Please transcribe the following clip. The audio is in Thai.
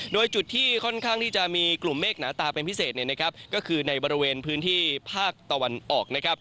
โดยจุดที่ค่อนข้างที่จะมีกลุ่มเมฆหนาตาเป็นพิเศษก็คือในบริเวณพื้นที่ภาคตะวันออกนะครับ